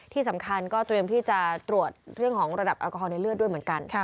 ที่สำคัญก็ตรวจเรื่องของระดับแอลกอฮอล์ในเลือดด้วยเหมือนกัน